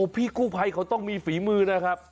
พี่กู้ภัยเขาต้องมีฝีมือนะครับ